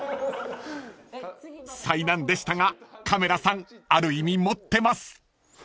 ［災難でしたがカメラさんある意味持ってます］